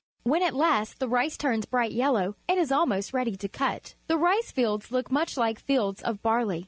When at last the rice turns bright yellow, it is almost ready to cut. The rice fields look much like fields of barley.